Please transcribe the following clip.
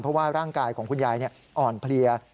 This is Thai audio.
เพราะว่าร่างกายของคุณยายอ่อนเพลีย